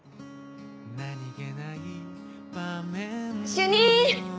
主任！